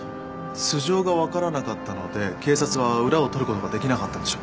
素性が分からなかったので警察は裏を取ることができなかったんでしょう。